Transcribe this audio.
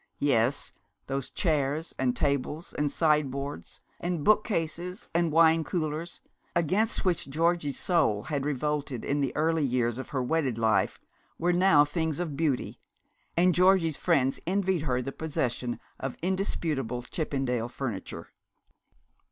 Yes, those chairs and tables and sideboards and bookcases and wine coolers against which Georgie's soul had revolted in the early years of her wedded life were now things of beauty, and Georgie's friends envied her the possession of indisputable Chippendale furniture.